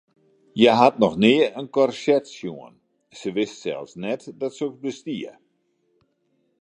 Hja hat noch nea in korset sjoen, se wist sels net dat soks bestie.